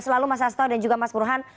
selalu mas asto dan juga mas burhan